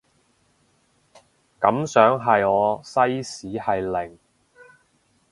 感想係我西史係零